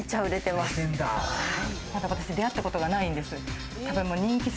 まだ私、出会ったことないんです。